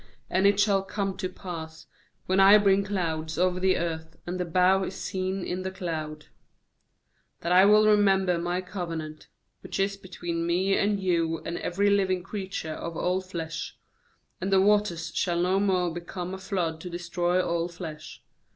14And it shall come to pass, when I bring clouds over the earth, and the bow is seen in the cloud, 15that I will remember My covenant, which is between Me and you and every living creature of all flesh; and the waters shall no more become a flood to destroy all flesh.